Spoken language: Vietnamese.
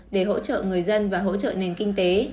để hỗ trợ người dân và hỗ trợ nền kinh tế